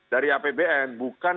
dari apbn bukan